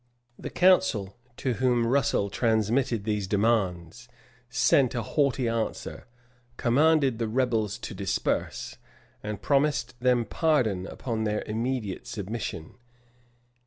[*] The council, to whom Russet transmitted these demands, sent a haughty answer; commanded the rebels to disperse, and promised them pardon upon their immediate submission.